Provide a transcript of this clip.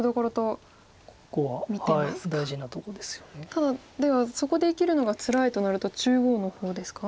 ただではそこで生きるのがつらいとなると中央の方ですか？